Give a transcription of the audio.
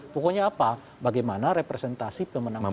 pokoknya apa bagaimana representasi pemenang pemilu